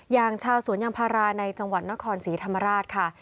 อย่างชาวสวนยางพาราในจังหวัดนครศรีธรรมราชค่ะ